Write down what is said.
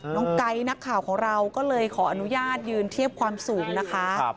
ไก๊นักข่าวของเราก็เลยขออนุญาตยืนเทียบความสูงนะคะ